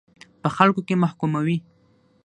په خلکو کې محکوموي.